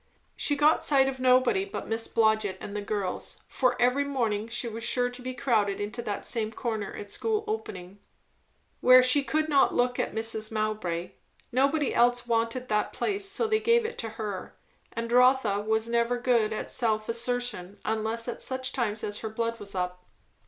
She got sight of nobody but Miss Blodgett and the girls; for every morning she was sure to be crowded into that same corner at school opening, where she could not look at Mrs. Mowbray; nobody else wanted that place, so they gave it to her; and Rotha was never good at self assertion, unless at such times as her blood was up.